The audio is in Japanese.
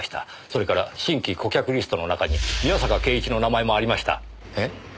それから新規顧客リストの中に宮坂敬一の名前もありました。え？